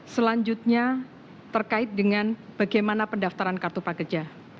selanjutnya terkait dengan bagaimana pendaftaran kartu prakerja